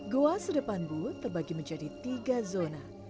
goa sedepan bu terbagi menjadi tiga zona